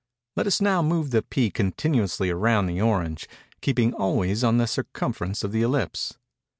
Let us now move the pea continuously around the orange—keeping always on the circumference of the ellipse.